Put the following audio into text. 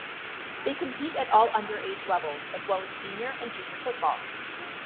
They compete at all underage levels as well as senior and junior football.